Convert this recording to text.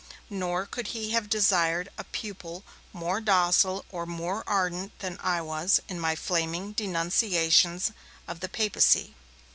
Nor could he have desired a pupil more docile or more ardent than I was in my flaming denunciations of the Papacy.